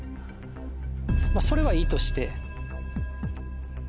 それはいいとして。